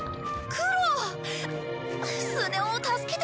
クロ！